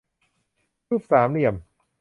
รูปสามเหลี่ยม